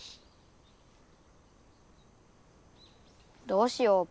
どうしよう？